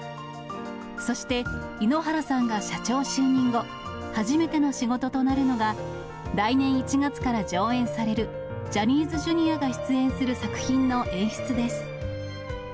そして、井ノ原さんが社長就任後、初めての仕事となるのが、来年１月から上演される、ジャニーズＪｒ．が出演する作品の演出です。